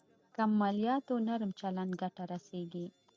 کم مالياتو نرم چلند ګټه رسېږي.